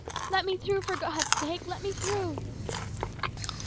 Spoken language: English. "Let me through, for God's sake! Let me through!"